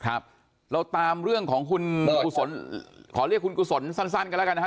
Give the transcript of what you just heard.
ครับเราตามเรื่องของคุณกุศลขอเรียกคุณกุศลสั้นสั้นกันแล้วกันนะฮะ